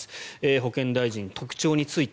保健大臣、特徴について。